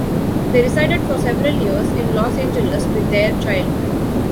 They resided for several years in Los Angeles with their child.